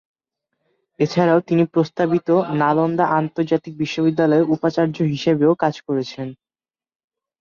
এছাড়াও তিনি প্রস্তাবিত নালন্দা আন্তর্জাতিক বিশ্ববিদ্যালয়ের উপাচার্য হিসাবেও কাজ করেছেন।